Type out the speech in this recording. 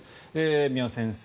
三輪先生